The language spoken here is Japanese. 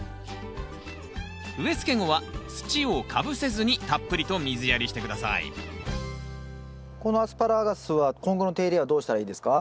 植えつけ後は土をかぶせずにたっぷりと水やりして下さいこのアスパラガスは今後の手入れはどうしたらいいですか？